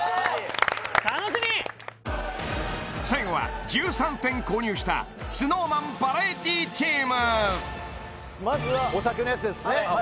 最後は１３点購入したＳｎｏｗＭａｎバラエティチームまずはお酒のやつですね